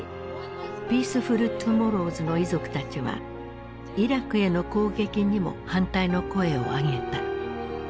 「ピースフル・トゥモローズ」の遺族たちはイラクへの攻撃にも反対の声を上げた。